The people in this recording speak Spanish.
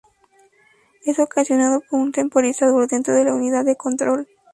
Es ocasionado por un temporizador dentro de la unidad de control.